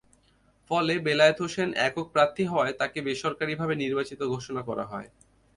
ফলে, বেলায়েত হোসেন একক প্রার্থী হওয়ায় তাঁকে বেসরকারিভাবে নির্বাচিত ঘোষণা করা হয়।